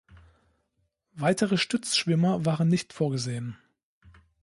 Weitere Stützschwimmer waren nicht vorgesehen.